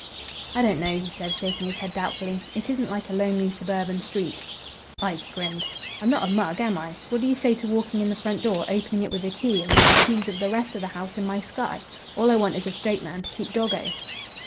"I don't know," he said, shaking his head doubtfully. "It isn't like a lonely suburban street." Ike grinned. "I'm not a mug, am I? What do you say to walking in the front door, opening it with a key, and with the keys of the rest of the house in my 'sky'? All I want is a straight man to keep doggo."